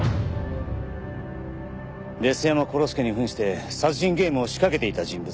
デス山殺助に扮して殺人ゲームを仕掛けていた人物。